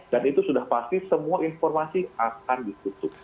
dan itu sudah pasti semua informasi akan ditutup